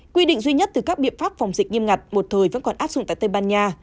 quy định duy nhất từ các biện pháp phòng dịch nghiêm ngặt một thời vẫn còn áp dụng tại tây ban nha